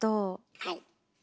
はい。